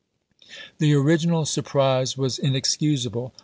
The original surprise was inexcusable.